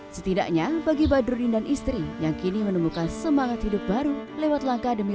setidaknya bagi badrudin dan istri yang kini menemukan semangat hidup baru lewat langkah demi